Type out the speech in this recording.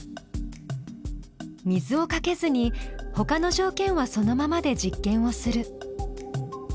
水をかけずにほかの条件はそのままで実験をする。